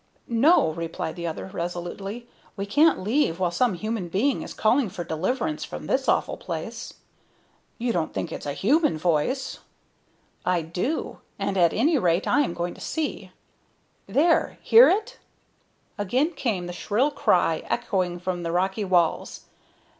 "No," replied the other, resolutely; "we can't leave while some human being is calling for deliverance from this awful place." [Illustration: THE TWO MEN STOOD AND LISTENED] "You don't think it a human voice?" "I do, and at any rate I am going to see. There! Hear it?" Again came the shrill cry, echoing from the rocky walls.